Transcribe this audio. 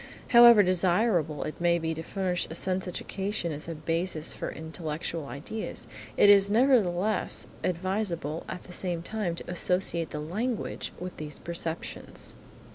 However desirable it may be to furnish a sense education as a basis for intellectual ideas, it is nevertheless advisable at the same time to associate the language with these perceptions.